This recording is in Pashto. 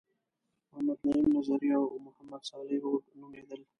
محمد نعیم نظري او محمد صالح هوډ نومیدل.